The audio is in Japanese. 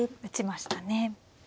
打ちましたね。